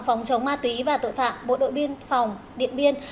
phòng chống ma túy và tội phạm bộ đội biên phòng điện biên